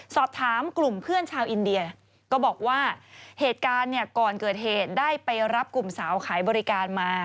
สอบถามกลุ่มเพื่อนชาวอินเดียก็บอกว่าเหตุการณ์เนี่ยก่อนเกิดเหตุได้ไปรับกลุ่มสาวขายบริการมา